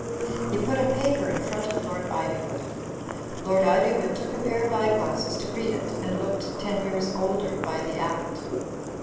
He put a paper in front of Lord Ivywood. Lord Ivy wood took a pair of eyeglasses to read it, and looked ten years older by the act.